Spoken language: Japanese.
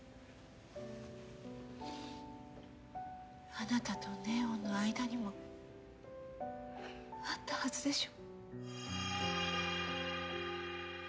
あなたと祢音の間にもあったはずでしょ？